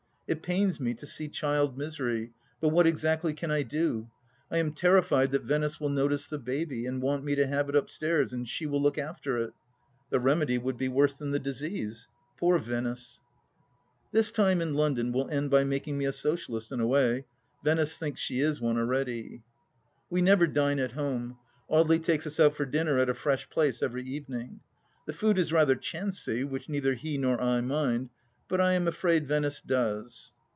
It pains me to see child misery, but what exactly can I do ? I am terrified that Venice will notice the baby and want me to have it upstairs and she will look after it ! The remedy would be worse than the disease. ,., Poor Venice I This time in London will end by making me a Socialist in a way. Venice thinks she is one already. We never dine at home. Audely takes us out for dinner at a fresh place every evening. The food is rather chancy, which neither he nor I mind, bub I am afraid Venice does.